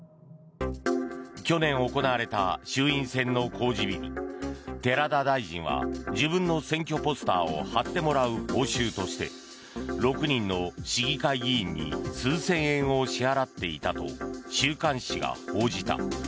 去年行われた衆院選の公示日に寺田大臣は自分の選挙ポスターを貼ってもらう報酬として６人の市議会議員に数千円を支払っていたと週刊誌が報じた。